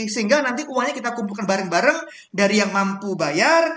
sehingga nanti uangnya kita kumpulkan bareng bareng dari yang mampu bayar